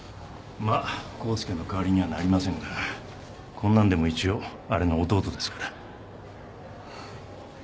まあ幸助の代わりにはなりませんがこんなんでも一応あれの弟ですから。